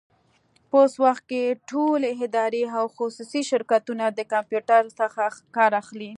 په اوس وخت کي ټولي ادارې او خصوصي شرکتونه د کمپيوټر څخه کار اخلي.